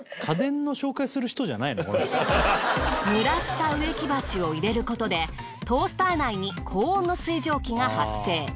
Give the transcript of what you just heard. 濡らした植木鉢を入れることでトースター内に高温の水蒸気が発生。